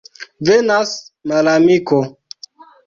Venas malamiko!